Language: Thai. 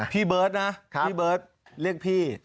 พี่เบิร์ตนะพี่เบิร์ตเรียกพี่